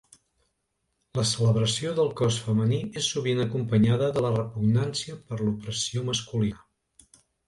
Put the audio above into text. La celebració del cos femení és sovint acompanyada de la repugnància per l'opressió masculina.